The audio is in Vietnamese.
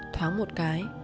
thoáng một cái